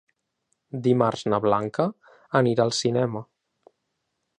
Dimarts na Blanca anirà al cinema.